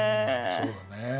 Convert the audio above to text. そうだね。